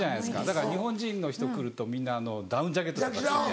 だから日本人の人来るとみんなダウンジャケットとか着て。